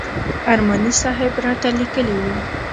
ارماني صاحب راته لیکلي و.